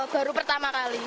baru pertama kali